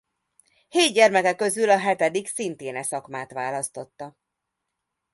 Hét gyermeke közül a hetedik szintén e szakmát választotta.